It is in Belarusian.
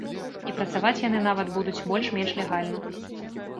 І працаваць яны нават будуць больш-менш легальна.